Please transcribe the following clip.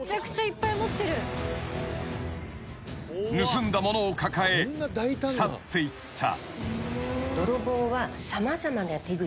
［盗んだものを抱え去っていった］